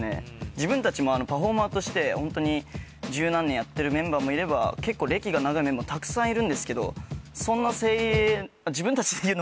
自分たちもパフォーマーとして１０何年やってるメンバーもいれば結構歴が長いメンバーたくさんいるんですけど。